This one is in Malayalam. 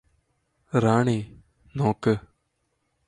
റാണി നോക്ക്